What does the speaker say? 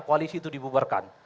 koalisi itu dibubarkan